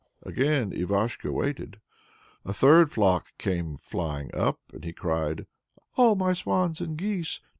Again Ivashko waited. A third flock came flying up, and he cried: Oh, my swans and geese!